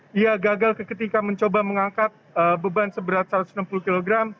dia gagal ketika mencoba mengangkat beban seberat satu ratus enam puluh kg